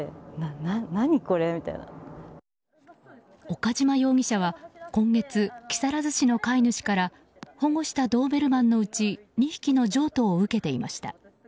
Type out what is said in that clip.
岡島容疑者は今月、木更津市の飼い主から保護したドーベルマンのうち２匹の譲渡を受けていました。